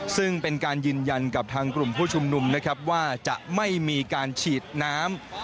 ซึ่งเป็นการยืนยันกับทางกลุ่มผู้ชุมนุมนะครับว่าจะไม่มีการฉีดน้ำ